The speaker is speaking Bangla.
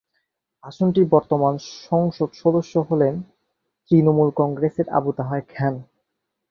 আসনটির বর্তমান সংসদ সদস্য হলেন তৃণমূল কংগ্রেসের আবু তাহের খান।